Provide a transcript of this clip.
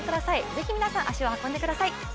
ぜひ皆さん足を運んでください。